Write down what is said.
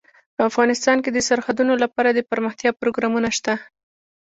افغانستان کې د سرحدونه لپاره دپرمختیا پروګرامونه شته.